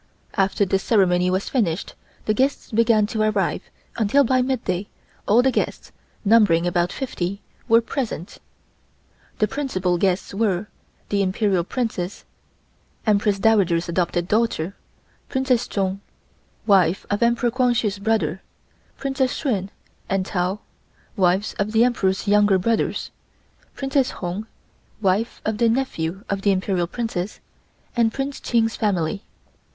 After this ceremony was finished, the guests began to arrive, until by midday, all the guests, numbering about fifty, were present. The principal guests were: The Imperial Princess (Empress Dowager's adopted daughter), Princess Chung (wife of Emperor Kwang Hsu's brother), Princesses Shun and Tao (wives of the Emperor's younger brothers), Princess hung (wife of the nephew of the Imperial Princess), and Prince Ching's family.